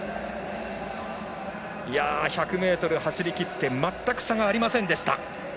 １００ｍ走りきって全く差がありませんでした。